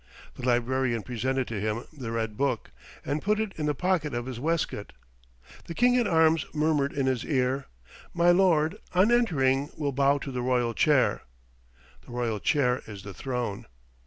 The librarian presented to him the red book, and put it in the pocket of his waistcoat. The King at Arms murmured in his ear, "My lord, on entering, will bow to the royal chair." The royal chair is the throne.